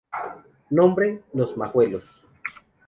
Nombre: Los Majuelos.